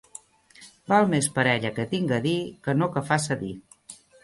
Val més per ella que tinga a dir, que no que faça dir.